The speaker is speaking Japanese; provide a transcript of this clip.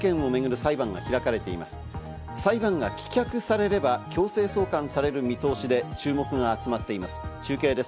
裁判が棄却されれば強制送還される見通しで、注目が集まっています。